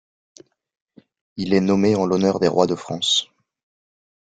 Il est nommé en l'honneur des rois de France.